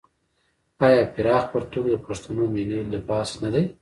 آیا پراخ پرتوګ د پښتنو ملي لباس نه دی؟